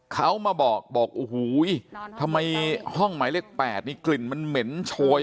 เขามาบอกบอกโอ้โหทำไมห้องหมายเลข๘นี่กลิ่นมันเหม็นโชย